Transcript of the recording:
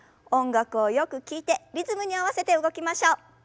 音楽をよく聞いてリズムに合わせて動きましょう。